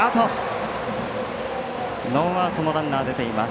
ノーアウトのランナーが出ています。